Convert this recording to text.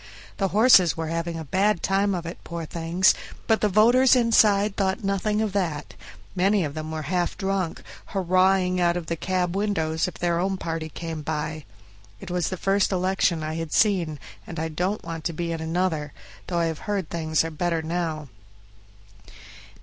The horses were having a bad time of it, poor things! but the voters inside thought nothing of that; many of them were half drunk, hurrahing out of the cab windows if their own party came by. It was the first election I had seen, and I don't want to be in another, though I have heard things are better now.